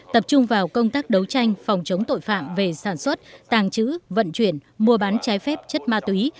tập trung vào công tác đấu tranh phòng chống tội phạm về sản xuất tàng trữ vận chuyển mua bán trái phép chất ma túy